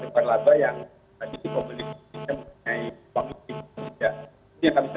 atau seperti waralaba yang tadi sih kalau beli di sistem punya uang lebih ya